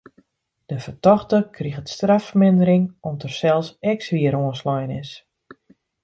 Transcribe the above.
De fertochte kriget straffermindering om't er sels ek swier oanslein is.